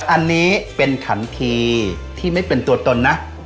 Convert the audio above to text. อันนี้เป็นขันทีที่ไม่เป็นตัวตนนะ